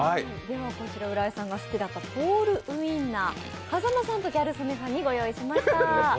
こちら、浦井さんが好きだったポールウインナー、風間さんとギャル曽根さんにご用意しました。